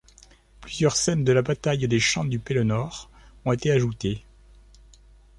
Plusieurs scènes de la bataille des Champs du Pelennor ont été ajoutées.